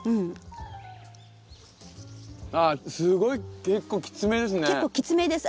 あすごい結構きつめですね。